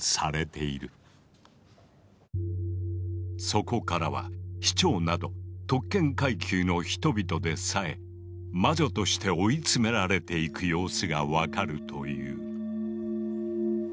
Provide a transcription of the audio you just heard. そこからは市長など特権階級の人々でさえ魔女として追い詰められていく様子が分かるという。